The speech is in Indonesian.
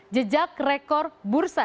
jejak rekor bursa